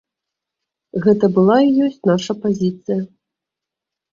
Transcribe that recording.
Гэта была і ёсць наша пазіцыя.